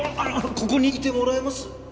ここにいてもらえます？